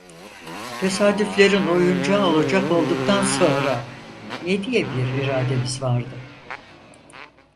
Tesadüflerin oyuncağı olacak olduktan sonra ne diye bir irademiz vardı?